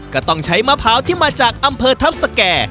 ก็ต้องใช้มะพร้าวที่มาจากอำเภอทัพสแก่